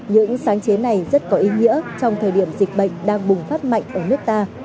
những sáng chế này rất có ý nghĩa trong thời điểm dịch bệnh đang bùng phát mạnh ở nước ta